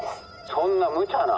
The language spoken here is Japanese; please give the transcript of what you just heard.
「そんなむちゃな！」。